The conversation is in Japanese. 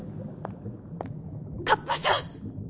カッパさん！？